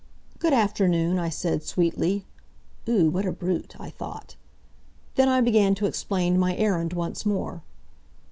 "Good afternoon," I said, sweetly. ("Ugh! What a brute!") I thought. Then I began to explain my errand once more.